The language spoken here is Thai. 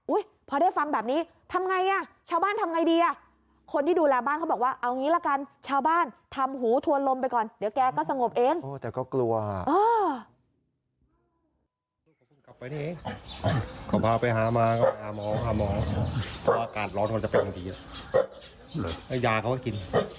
อุ๊ยพอได้ฟังแบบนี้ทำไง